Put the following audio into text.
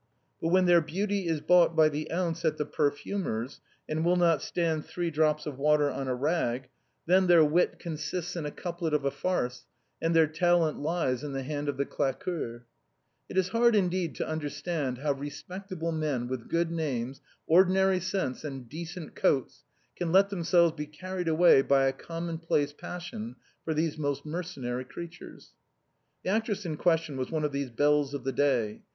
But when their beauty is bought by the ounce at the perfumer's, and will not stand three drops of water on a rag; when their wit consists in a couplet of a farce, and their talent lies in the hand of the claqueur, it is hard indeed to understand how respectable men with good names, ordinary sense, and decent coats, can let them selves be carried away by a commonplace passion for these most mercenary creatures. The actress in question was one of these belles of the day.